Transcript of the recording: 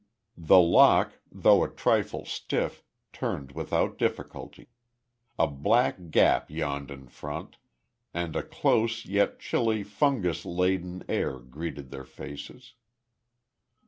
The lock, though a trifle stiff, turned without difficulty. A black gap yawned in front, and a close yet chilly, fungus laden air greeted their faces.